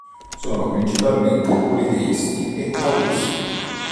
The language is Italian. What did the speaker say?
Sono principalmente politeisti e Taoisti.